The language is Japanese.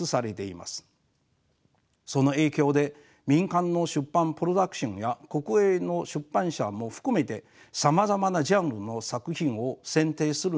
その影響で民間の出版プロダクションや国営の出版社も含めてさまざまなジャンルの作品を選定するのに神経を使います。